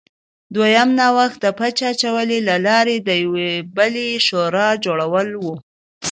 دویم نوښت د پچه اچونې له لارې د یوې بلې شورا جوړول و